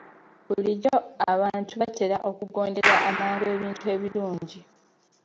Bulijjo, abantu batera okugondera amangu ebintu ebirungi.